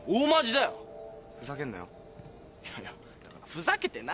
だからふざけてないってば。